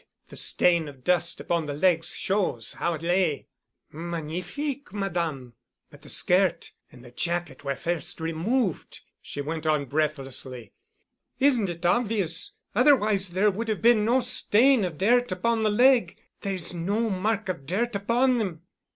The stain of dust upon the leg shows how it lay——" "Magnifique, Madame——" "But the skirt and the jacket were first removed," she went on breathlessly. "Isn't it obvious? Otherwise there would have been no stain of dirt upon the leg. There is no mark of dirt upon them."